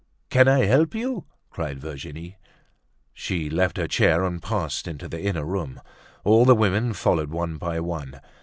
"Can I help you?" cried Virginie. She left her chair and passed into the inner room. All the women followed one by one.